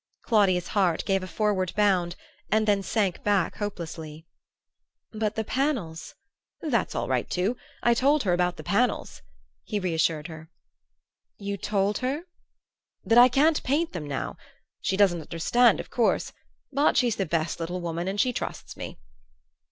Claudia's heart gave a forward bound and then sank back hopelessly. "But the panels ?" "That's all right too. I told her about the panels," he reassured her. "You told her ?" "That I can't paint them now. She doesn't understand, of course; but she's the best little woman and she trusts me."